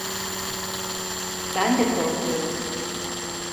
Ben de korkuyorum.